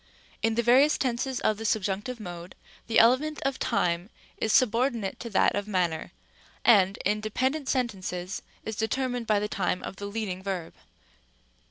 c. In the various tenses of the subjunctive mode, the element of time is subordinate to that of manner, and, in dependent sentences, is determined by the time of the leading verb.